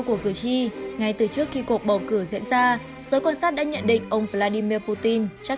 của cử tri ngay từ trước khi cuộc bầu cử diễn ra giới quan sát đã nhận định ông vladimir putin chắc